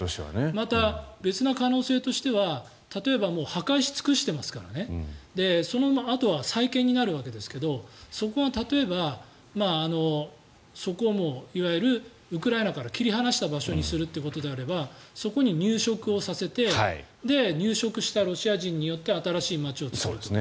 また、別な可能性としては例えば、破壊し尽くしてますからそのあとは再建になるわけですがそこが例えばそこはもういわゆるウクライナから切り離した場所にするということであればそこに入植をさせて入植したロシア人によって新しい街を作ると。